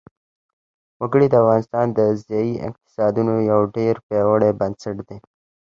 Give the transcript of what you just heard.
وګړي د افغانستان د ځایي اقتصادونو یو ډېر پیاوړی بنسټ دی.